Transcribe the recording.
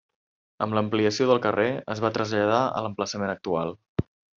Amb l'ampliació del carrer es va traslladar a l'emplaçament actual.